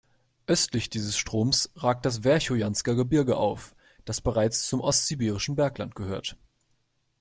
Östlich dieses Stroms ragt das Werchojansker Gebirge auf, das bereits zum Ostsibirischen Bergland gehört.